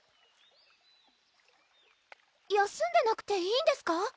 休んでなくていいんですか？